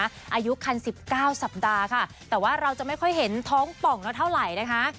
อายุคัน๑๙สัปดาห์ค่ะแต่ว่าเราจะไม่ค่อยเห็นท้องป่องแล้วเท่าไหร่นะคะ